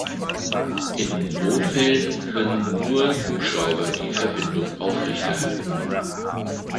In Notfällen können nur Hubschrauber die Verbindung aufrechterhalten.